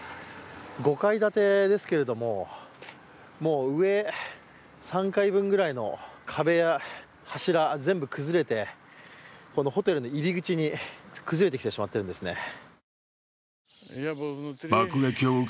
５階建てですけれども、上３階分ぐらいの壁や柱全部崩れて、このホテルの入り口に崩れてきてしまっているんですね。